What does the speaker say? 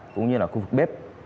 cũng như là khu vực bếp